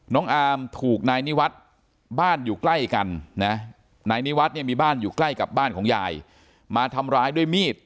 อามถูกนายนิวัฒน์บ้านอยู่ใกล้กันนะนายนิวัฒน์เนี่ยมีบ้านอยู่ใกล้กับบ้านของยายมาทำร้ายด้วยมีด